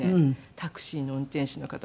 タクシーの運転手の方とか。